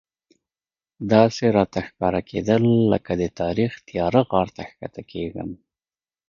داسې راته ښکارېدل لکه د تاریخ تیاره غار ته ښکته کېږم.